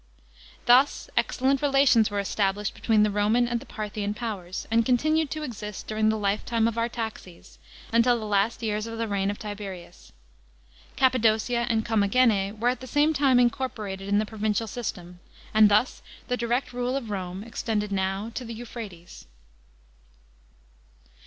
Thus excellent relations were established between the Roman and tho Parthian powers, and continued to exist during the lifetime of Artaxes, until the last years of the reign of Tiberius. Cappadocia and Comrnagene were at the same time incorporated in the provincial system, and thus the direct rule of Rome extended now to the Euphratep.